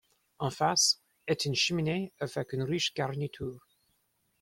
En face, est une cheminée avec une riche garniture.